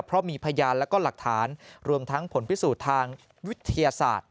เพราะมีพยานแล้วก็หลักฐานรวมทั้งผลพิสูจน์ทางวิทยาศาสตร์